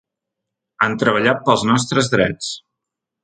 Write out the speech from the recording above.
Han treballat pels nostres drets.